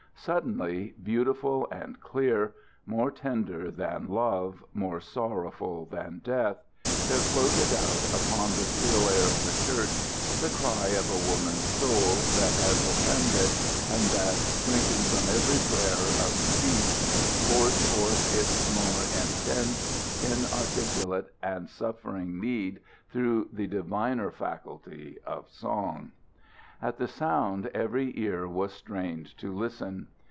Suddenly, beautiful and clear, more tender than love, more sorrowful than death, there floated out upon the still air of the church the cry of a woman's soul that has offended, and that, shrinking from every prayer of speech, pours forth its more intense, inarticulate, and suffering need through the diviner faculty of song. At the sound every ear was strained to listen.